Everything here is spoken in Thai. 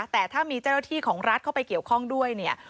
แต่ถ้ามีเจ้าหน้าที่ของรัฐเข้าไปเกี่ยวข้องด้วยเนี่ย